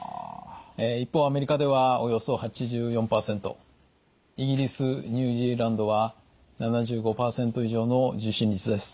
一方アメリカではおよそ８４％イギリスニュージーランドは７５％以上の受診率です。